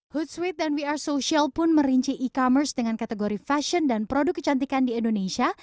hootsuite dan we are social pun merinci e commerce dengan kategori fashion dan produk kecantikan di indonesia